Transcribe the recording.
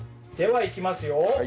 ではいきますよ。